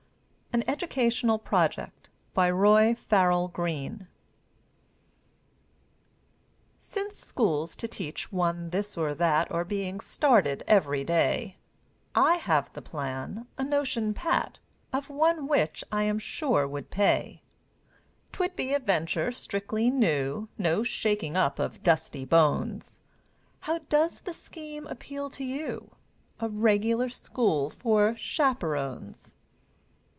AN EDUCATIONAL PROJECT BY ROY FARRELL GREENE Since schools to teach one this or that Are being started every day, I have the plan, a notion pat, Of one which I am sure would pay. 'Twould be a venture strictly new, No shaking up of dusty bones; How does the scheme appeal to you? A regular school for chaperones!